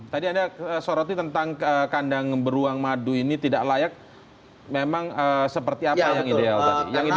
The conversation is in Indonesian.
tadi anda soroti tentang kandang beruang madu ini tidak layak memang seperti apa yang ideal tadi